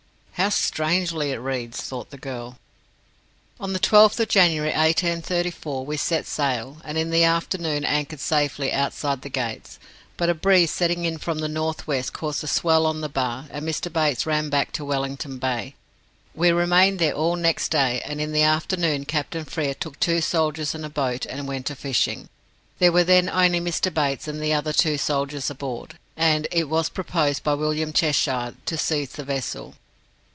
"How strangely it reads," thought the girl. "On the 12th of January, 1834, we set sail, and in the afternoon anchored safely outside the Gates; but a breeze setting in from the north west caused a swell on the Bar, and Mr. Bates ran back to Wellington Bay. We remained there all next day; and in the afternoon Captain Frere took two soldiers and a boat, and went a fishing. There were then only Mr. Bates and the other two soldiers aboard, and it was proposed by William Cheshire to seize the vessel.